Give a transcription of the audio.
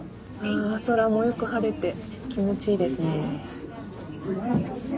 あ空もよく晴れて気持ちいいですね。